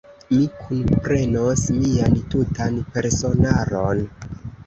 Mi kunprenos mian tutan personaron.